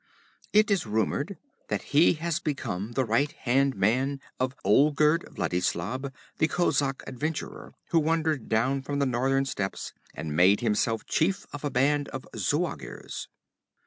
It is rumored that he has become the right hand man of Olgerd Vladislav, the kozak adventurer who wandered down from the northern steppes and made himself chief of a band of Zuagirs.